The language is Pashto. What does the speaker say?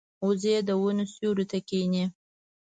وزې د ونو سیوري ته کیني